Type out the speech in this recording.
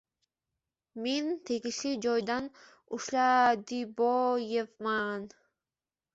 Men tegishli joydan Ushladiboevman